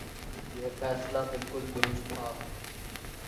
یہ فیصلہ بالکل درست تھا۔